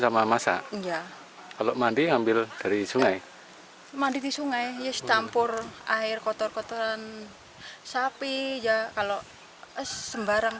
ada beberapa titik yang paling banyak memang di kecamatan balong